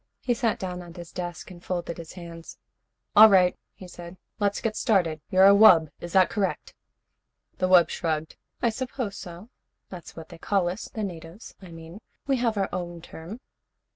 He sat down at his desk and folded his hands. "All right," he said. "Let's get started. You're a wub? Is that correct?" The wub shrugged. "I suppose so. That's what they call us, the natives, I mean. We have our own term."